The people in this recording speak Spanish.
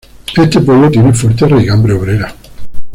Este pueblo tiene fuerte raigambre obrera.